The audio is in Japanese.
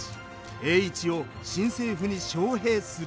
栄一を新政府に招聘する。